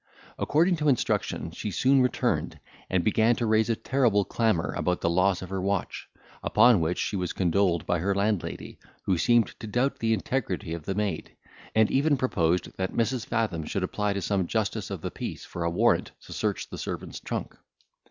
According to instruction, she soon returned, and began to raise a terrible clamour about the loss of her watch; upon which she was condoled by her landlady, who seemed to doubt the integrity of the maid, and even proposed that Mrs. Fathom should apply to some justice of the peace for a warrant to search the servant's trunk.